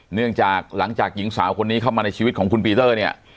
เนื่องจากหลังจากหญิงสาวคนนี้เข้ามาในชีวิตของคุณปีเตอร์เนี่ย